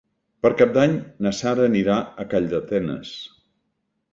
Per Cap d'Any na Sara anirà a Calldetenes.